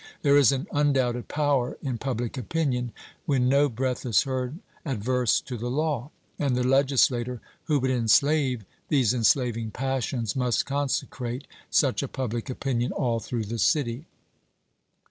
There is an undoubted power in public opinion when no breath is heard adverse to the law; and the legislator who would enslave these enslaving passions must consecrate such a public opinion all through the city.